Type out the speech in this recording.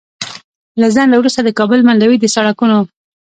له ځنډ وروسته د کابل منډوي د سړکونو